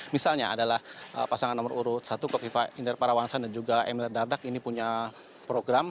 misalnya adalah pasangan nomor urut satu kofifa inder parawansa dan juga emil dardak ini punya program